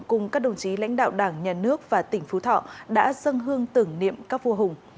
cùng các đồng chí lãnh đạo đảng nhà nước và tỉnh phú thọ đã dâng hương tưởng niệm các vua hùng